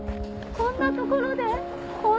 こんな所で。